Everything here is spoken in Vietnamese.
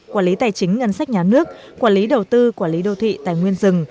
quản lý tài chính ngân sách nhà nước quản lý đầu tư quản lý đô thị tài nguyên rừng